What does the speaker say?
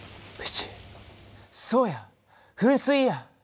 そうやふん水や！